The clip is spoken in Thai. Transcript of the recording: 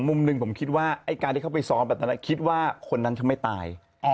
มุมหนึ่งผมคิดว่าไอ้การที่เขาไปซ้อมแบบนั้นคิดว่าคนนั้นจะไม่ตาย